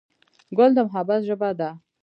ګل د محبت ژبه ده.